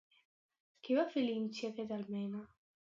Què va fer Licimni amb aquest i Alcmena?